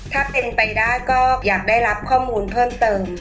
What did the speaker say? ถ้าเป็นไปได้ก็อยากได้รับข้อมูลเพิ่มเติม